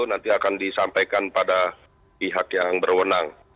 nanti akan disampaikan pada pihak yang berwenang